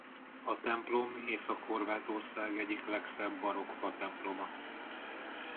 A templom Észak-Horvátország egyik legszebb barokk fatemploma.